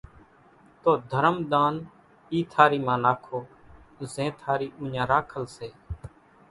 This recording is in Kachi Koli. تو ڌرم ۮان اِي ٿارِي مان راکو زين ٿارِي اُوڃان راکل سي،